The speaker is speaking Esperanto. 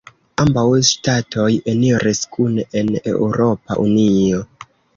Ambaŭ ŝtatoj eniris kune en Eŭropa Unio.